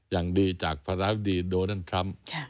อย่างดีจากประธานาธิบดีโดนันทรัมพ์